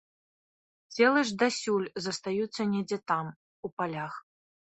Целы ж дасюль застаюцца недзе там, у палях.